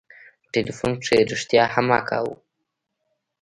په ټېلفون کښې رښتيا هم اکا و.